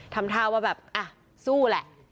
ทำท่าว่าแบบอ่ะสู้แหละ